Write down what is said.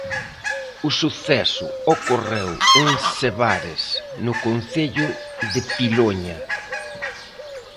O suceso ocorreu en Sevares, no concello de Piloña.